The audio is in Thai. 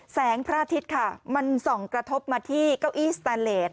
พระอาทิตย์ค่ะมันส่องกระทบมาที่เก้าอี้สแตนเลส